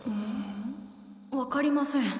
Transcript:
わかりません